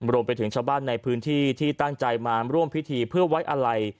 รวมไปถึงชาวบ้านในพื้นที่ที่ตั้งใจมาร่วมพิธีเพื่อไว้อะไร